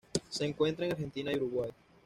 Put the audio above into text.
Se encuentra en Argentina y Uruguay.